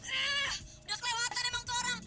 udah kelewatan emang tu orang